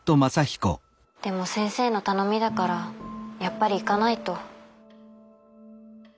でも先生の頼みだからやっぱり行かないと。